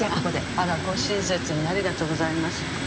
あらご親切にありがとうございました。